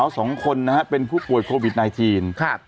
สองคนน่ะฮะเป็นผู้ป่วยโควิดไนทีนครับ